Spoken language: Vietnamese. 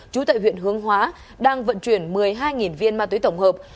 trú tại huyện hướng hóa đang vận chuyển một mươi hai viên ma túy tổng hợp